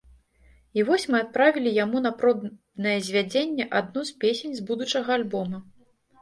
І вось мы адправілі яму на пробнае звядзенне адну з песень з будучага альбома.